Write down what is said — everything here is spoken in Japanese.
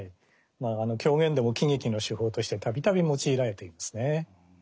狂言でも喜劇の手法として度々用いられていますね。